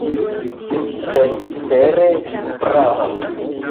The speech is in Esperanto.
Sed vere Vi pravas.